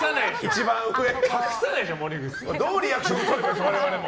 どうリアクションとればいいんですか、我々も。